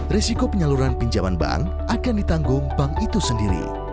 risiko penyaluran pinjaman bank akan ditanggung bank itu sendiri